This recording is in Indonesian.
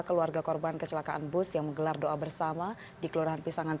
keluarga korban kecelakaan bus yang menggelar doa bersama di kelurahan pisangan